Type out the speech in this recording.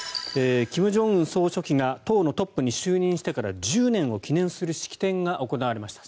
金正恩総書記が党のトップに就任してから１０年を記念する式典が行われました。